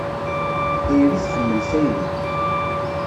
Tayri tḥemmel tayri.